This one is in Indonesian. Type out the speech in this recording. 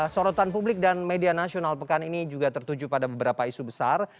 sorotan publik dan media nasional pekan ini juga tertuju pada beberapa isu besar